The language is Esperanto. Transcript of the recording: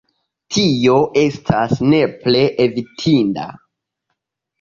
Tio estas nepre evitinda.